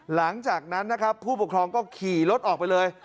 หลังจากนั้นนะครับผู้ปกครองก็ขี่รถออกไปเลย